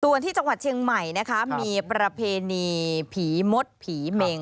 ส่วนที่จังหวัดเชียงใหม่นะคะมีประเพณีผีมดผีเมง